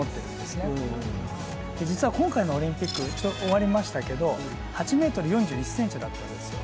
実は今回のオリンピック終わりましたけど８ｍ４１ｃｍだったんですよ。